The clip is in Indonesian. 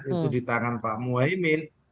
itu di tangan pak muhaymin